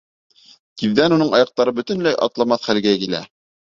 Тиҙҙән уның аяҡтары бөтөнләй атламаҫ хәлгә килә.